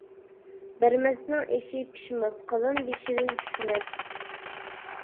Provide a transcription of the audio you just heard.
بەرمەسنىڭ ئېشى پىشماس، قازان بېشىدىن چۈشمەس.